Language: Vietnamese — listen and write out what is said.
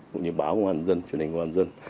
cũng như báo công an dân truyền hình công an dân